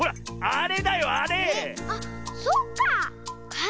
あっそうか。